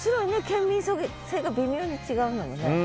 県民性が微妙に違うのもね。